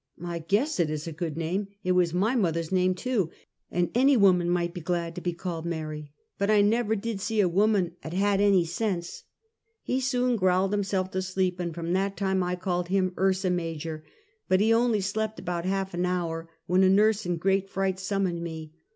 "I guess it is a good name! It was my mother's name too, and any woman might be glad to be called Mary. Bat I never did see a woman 'at had any sense !" He soon growled himself to sleep, and from that time I called him " Ursa Major;" but he only slept about half an hour, when a nurse in great fright sum moned me.